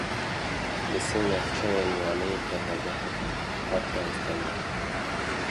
Li sê navçeyên Wanê perwerde hat rawestandin.